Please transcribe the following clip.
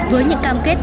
với những cam kết